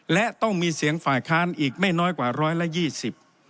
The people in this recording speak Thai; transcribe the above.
และต้องมีเสียงฝ่ายค้านอีกไม่น้อยกว่าร้อยละยี่สิบ